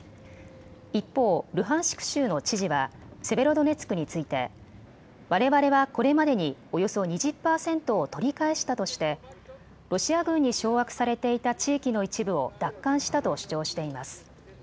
一方、ルハンシク州の知事はセベロドネツクについてわれわれはこれまでにおよそ２０％を取り返したとしてロシア軍に掌握されていた地域の一部を奪還したと主張しています。